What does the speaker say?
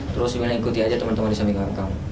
terus ingin ikuti aja teman teman disaming dengan kamu